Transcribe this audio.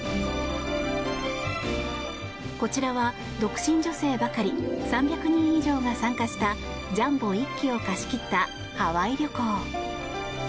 こちらは独身女性ばかり３００人以上が参加したジャンボ１機を貸し切ったハワイ旅行。